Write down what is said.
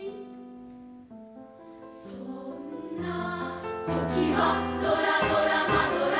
「そんな時は、ドラドラマドラ！